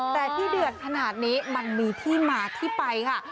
แต่ที่เดือดขนาดนี้มันมีที่มาที่ไปค่ะ